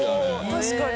確かに。